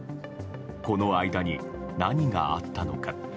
この間に何があったのか。